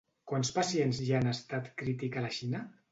Quants pacients hi ha en estat crític a la Xina?